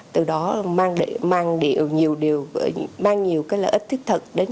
từ đó mang nhiều lợi ích thiết thần